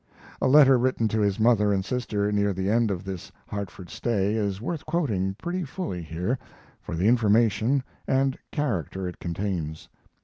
A letter written to his mother and sister near the end of this Hartford stay is worth quoting pretty fully here, for the information and "character" it contains.